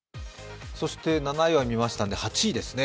７位まで見ましたので８位ですね。